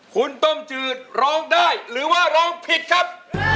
คุณต้มจืดร้องได้หรือว่าร้องผิดครับ